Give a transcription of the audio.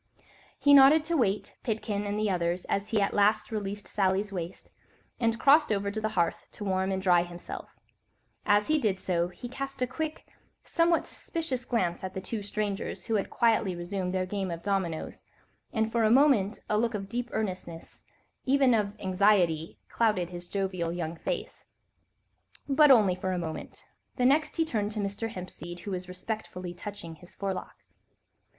He nodded to Waite, Pitkin and the others as he at last released Sally's waist, and crossed over to the hearth to warm and dry himself: as he did so, he cast a quick, somewhat suspicious glance at the two strangers, who had quietly resumed their game of dominoes, and for a moment a look of deep earnestness, even of anxiety, clouded his jovial young face. But only for a moment; the next he had turned to Mr. Hempseed, who was respectfully touching his forelock.